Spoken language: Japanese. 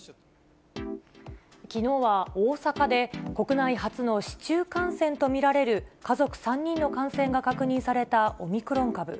きのうは大阪で、国内初の市中感染と見られる家族３人の感染が確認されたオミクロン株。